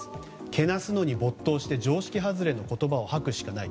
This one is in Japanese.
けなすのに没頭して常識外れの言葉を吐くしかない。